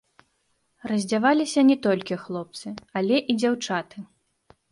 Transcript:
Раздзяваліся не толькі хлопцы, але і дзяўчаты.